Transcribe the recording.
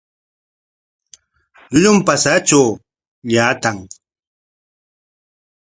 Llullum patsatraw llaatan.